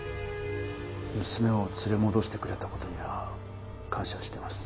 娘を連れ戻してくれた事には感謝してます。